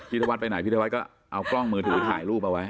ธวัฒนไปไหนพี่ธวัฒน์ก็เอากล้องมือถือถ่ายรูปเอาไว้